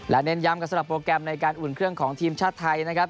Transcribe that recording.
และเน้นย้ำกันสำหรับโปรแกรมในการอุ่นเครื่องของทีมชาติไทยนะครับ